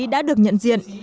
đã được nhận diện